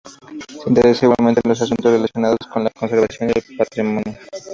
Se interesó igualmente en los asuntos relacionados con la conservación y el patrimonio.